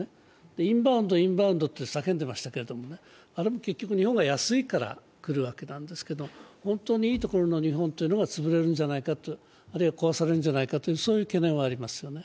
インバウンド、インバウンドと叫んでいましたけど、あれも結局日本が安いから来るわけですけれども、本当にいいところの日本というのが潰れるんじゃないか、あるいは壊されるんじゃないかという懸念はありますよね。